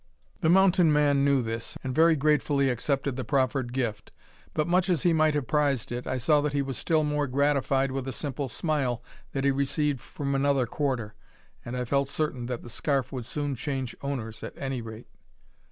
The mountain man knew this, and very gratefully accepted the proffered gift; but much as he might have prized it, I saw that he was still more gratified with a simple smile that he received from another quarter, and I felt certain that the scarf would soon change owners, at any rate.